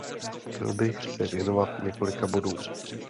Chtěl bych se věnovat několika bodům.